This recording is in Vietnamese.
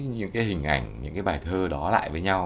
những cái hình ảnh những cái bài thơ đó lại với nhau